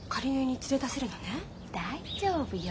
大丈夫よ。